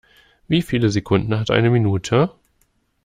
Wie viele Sekunden hat eine Minute?